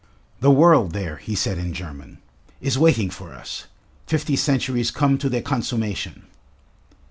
"The world there," he said in German, "is waiting for us! Fifty Centuries come to their Consummation."